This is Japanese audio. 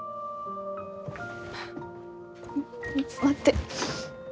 待って。